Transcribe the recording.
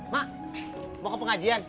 mak mau ke pengajian